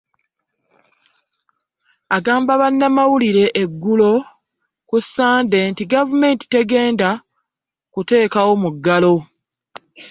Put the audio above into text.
Agamba bannamawulire eggulo ku Ssande nti gavumenti tegenda kuteekawo muggalo